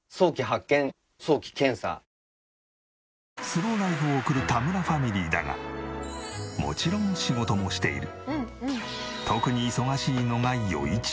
スローライフを送る田村ファミリーだがもちろん仕事もしている。